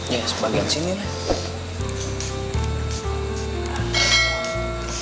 ya sebagian sini lah